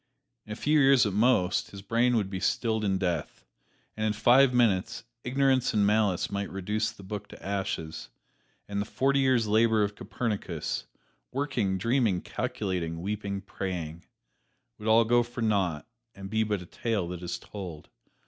In a few years at most, his brain would be stilled in death; and in five minutes, ignorance and malice might reduce the book to ashes, and the forty years' labor of Copernicus working, dreaming, calculating, weeping, praying would all go for naught and be but a tale that is told.